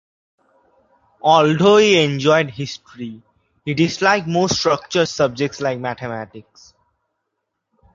Although he enjoyed history, he disliked more structured subjects like mathematics.